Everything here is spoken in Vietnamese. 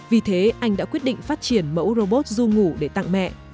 vì thế anh đã quyết định phát triển mẫu robot du ngủ để tặng mẹ